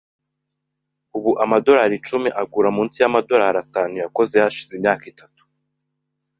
Ubu amadorari icumi agura munsi yamadorari atanu yakoze hashize imyaka itatu .